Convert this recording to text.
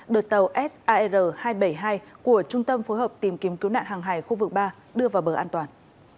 đợt tàu sar hai trăm bảy mươi hai của trung tâm phối hợp tìm kiếm cứu nạn hàng hải khu vực ba đưa vào bờ an toàn